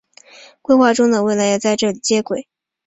规划中的未来也会在这里接轨。